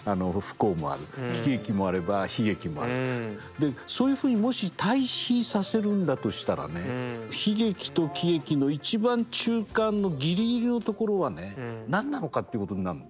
でそういうふうにもし対比させるんだとしたらね悲劇と喜劇の一番中間のギリギリのところはね何なのかっていうことになるの。